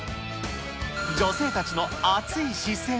女性たちの熱い視線。